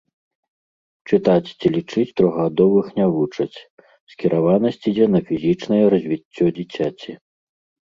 Чытаць ці лічыць трохгадовых не вучаць, скіраванасць ідзе на фізічнае развіццё дзіцяці.